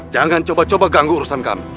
jangan coba coba ganggu urusan kami